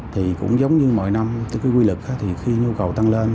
thì cũng giống như mọi năm tức là quy lực thì khi nhu cầu tăng lên